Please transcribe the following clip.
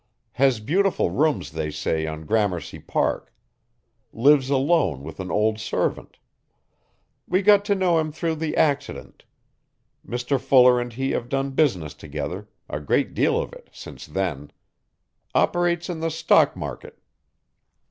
Has beautiful rooms they say on Gramercy Park. Lives alone with an old servant. We got to know him through the accident. Mr Fuller and he have done business together a great deal of it since then. Operates in the stock market.